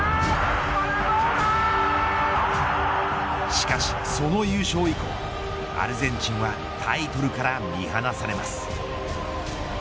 しかしその優勝以降アルゼンチンはタイトルから見放されます。